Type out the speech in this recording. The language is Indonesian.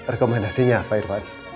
rekomendasinya pak irfan